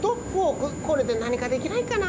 これでなにかできないかな？